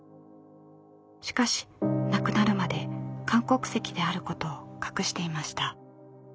しかし亡くなるまで韓国籍であることを隠していました。